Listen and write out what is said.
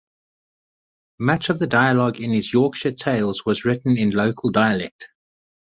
Much of the dialogue in his Yorkshire tales was written in local dialect.